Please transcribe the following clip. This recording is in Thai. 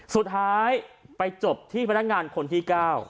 สุดท้ายไปจบที่พนักงานคนที่๙